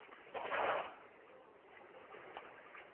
弹弓肿寄居蟹为拟寄居蟹科肿寄居蟹属下的一个种。